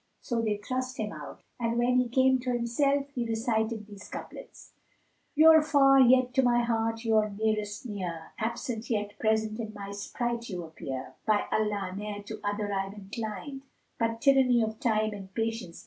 So they thrust him out, and when he came to himself, he recited these couplets, "You're far, yet to my heart you're nearest near; * Absent yet present in my sprite you appear: By Allah, ne'er to other I've inclined * But tyranny of Time in patience bear!